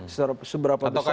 seberapa besar keuntungan